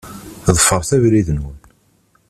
Ḍefṛet abrid-nwen.